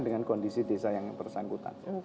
dengan kondisi desa yang bersangkutan